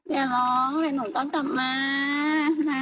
อย่าร้องหนูต้องกลับมามา